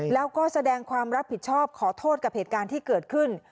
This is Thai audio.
แล้วก็แสดงความรับผิดชอบขอโทษกับเหตุการณ์ที่เกิดขึ้น